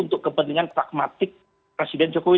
untuk kepentingan pragmatik presiden jokowi